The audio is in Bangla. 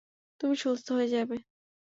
তুমি সুস্থ হয়ে যাবে।